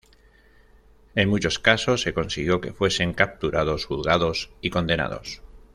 En muchos casos se consiguió que fuesen capturados, juzgados y condenados.